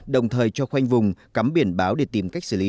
đồng thời cho khoanh vùng cắm biển báo để tìm cách xử lý